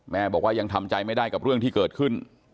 บอกว่ายังทำใจไม่ได้กับเรื่องที่เกิดขึ้น